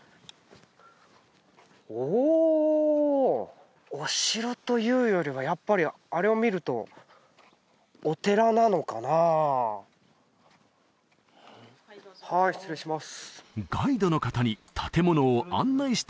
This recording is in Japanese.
おおお城というよりはやっぱりあれを見るとはいどうぞはい失礼します